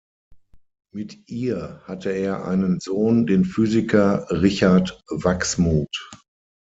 Mit ihr hatte er einen Sohn, den Physiker Richard Wachsmuth.